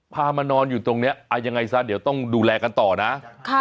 มานอนอยู่ตรงนี้ยังไงซะเดี๋ยวต้องดูแลกันต่อนะ